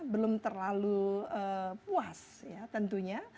belum terlalu puas ya tentunya